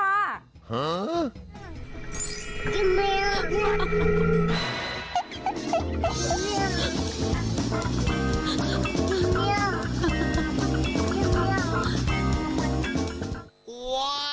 ทำไมหรอ